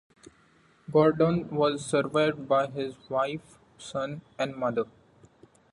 Gordon was survived by his wife, son, and mother.